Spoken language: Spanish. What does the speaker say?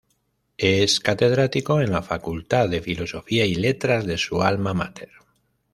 Es catedrático en la Facultad de Filosofía y Letras de su alma máter.